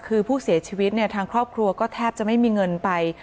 คือผู้เสียชีวิตเนี่ยทางครอบครัวก็แทบจะไม่มีเงินไป